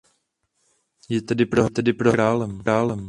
Je tedy prohlášen králem.